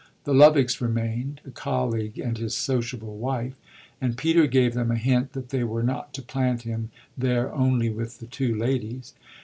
The Lovicks remained a colleague and his sociable wife and Peter gave them a hint that they were not to plant him there only with the two ladies.